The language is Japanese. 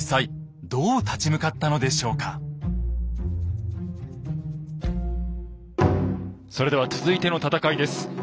では実際それでは続いての戦いです。